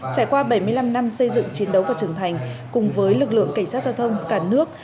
trải qua bảy mươi năm năm xây dựng chiến đấu và trưởng thành cùng với lực lượng cảnh sát giao thông cả nước